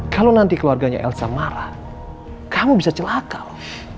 kalau nanti keluarganya elsa marah kamu bisa celaka loh